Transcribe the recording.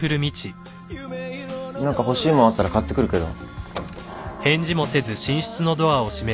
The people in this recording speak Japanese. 何か欲しいもんあったら買ってくるけど。